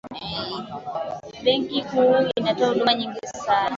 benki kuu inatoa huduma nyingi sana